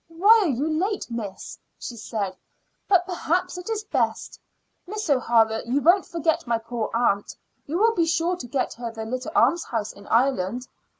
"Why are you late, miss?" she said. "But perhaps it is best. Miss O'Hara, you won't forget my poor aunt; you will be sure to get her the little almshouse in Ireland?"